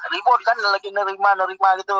ribut kan lagi nerima nerima gitu